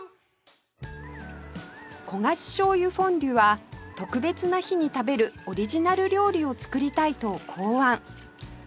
焦がし醤油フォンデュは特別な日に食べるオリジナル料理を作りたいと考案